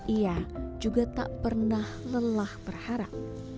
ia juga tak pernah lelah berharap